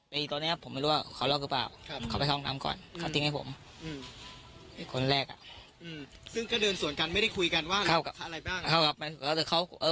เหมือนกันว่าขามันรอยใช่หรืออะไร